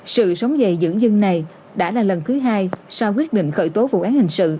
sự sống dày dưỡng dưng này đã là lần thứ hai sau quyết định khởi tố vụ án hình sự